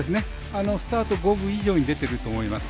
スタート五分以上に出ていると思います。